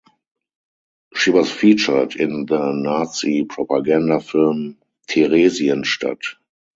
She was featured in the Nazi Propaganda film "Theresienstadt".